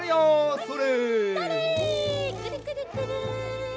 それ！